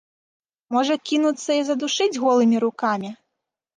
Можа, кінуцца і задушыць голымі рукамі?